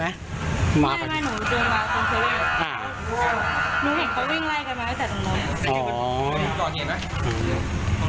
ไม่เห็นเขาวิ่งไล่กันไหมแก่ตรงนี้